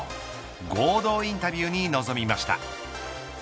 合同インタビューに臨みました。